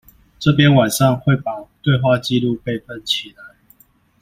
這邊晚上會把對話記錄備份起來